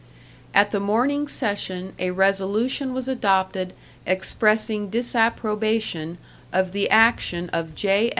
At the morning session a resolution was adopted expressing disapprobation of the action of J.